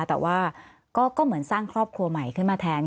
แต่ว่าก็เหมือนสร้างครอบครัวใหม่ขึ้นมาแทน